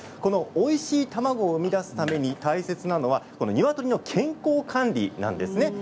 おいしい卵を生み出すために大切なのは、にわとりの健康管理なんですね。